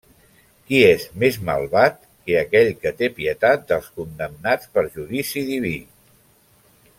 Qui és més malvat que aquell que té pietat dels condemnats per judici diví?